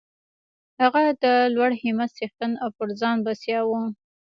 هغه د لوړ همت څښتن او پر ځان بسیا و